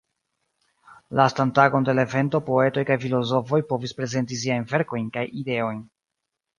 Lastan tagon de la evento poetoj kaj filozofoj povis prezenti siajn verkojn kaj ideojn.